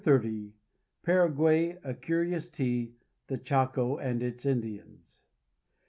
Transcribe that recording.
PARAGUAY— A CURIOUS TEA— THE CHACO AND ITS INDIANS.